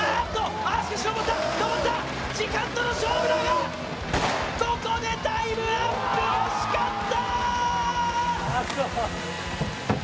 登った、登った、時間との勝負だがここでタイムアップ、惜しかった。